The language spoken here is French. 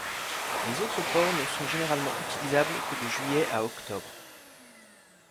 Les autres ports ne sont généralement utilisables que de juillet à octobre.